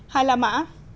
hai là mã